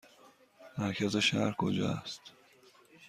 مرکز شهر کجا است؟